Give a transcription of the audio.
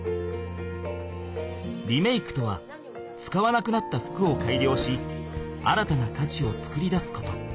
リメイクとは使わなくなった服をかいりょうし新たなかちを作り出すこと。